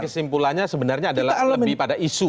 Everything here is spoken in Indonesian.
jadi kesimpulannya sebenarnya adalah lebih pada isu